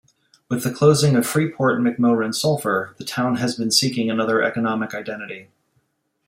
With the closing of Freeport-McMoRan Sulphur, the town has been seeking another economic identity.